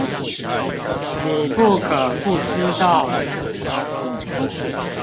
你不可不知道的